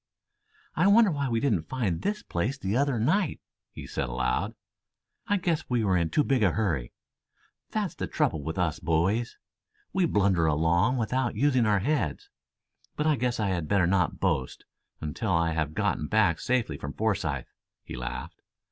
"I wonder why we didn't find this place the other night," he said aloud. "I guess we were in too big a hurry. That's the trouble with us boys. We blunder along without using our heads. But, I guess I had better not boast until after I have gotten back safely from Forsythe," he laughed.